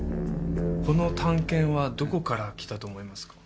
この短剣はどこから来たと思いますか？